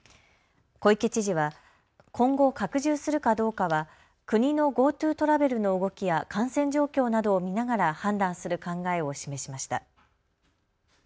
小池知事は今後拡充するかどうかは国のＧｏＴｏトラベルの動きや感染状況などを見ながら判断する考えを示しました。